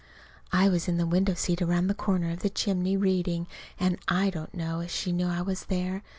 I was in the window seat around the corner of the chimney, reading; and I don't know as she knew I was there.